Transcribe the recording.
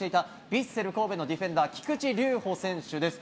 ヴィッセル神戸のディフェンダー、菊池流帆選手です。